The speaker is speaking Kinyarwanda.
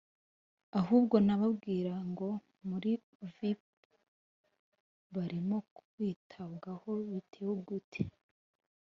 ahubwo nababwira ngo muri vup barimo kwitabwaho biteye gute